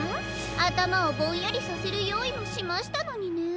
あたまをぼんやりさせるよういもしましたのにねえ。